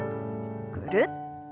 ぐるっと。